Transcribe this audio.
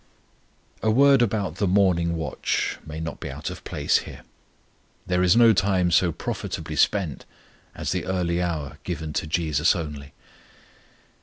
A word about the morning watch may not be out of place here. There is no time so profitably spent as the early hour given to JESUS only.